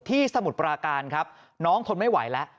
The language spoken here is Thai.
สมุทรปราการครับน้องทนไม่ไหวแล้ว